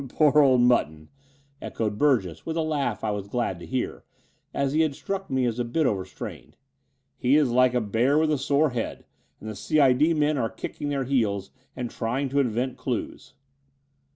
"Poor old Mutton," echoed Burgess, with a laugh I was glad to hear, as he had struck me as a bit overstrained, "he is like a bear with a sore head; and the C.I.D. men are kicking their heds and trying to invent clues."